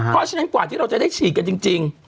เพราะฉะนั้นกว่าที่เราจะได้ฉีดกันจริง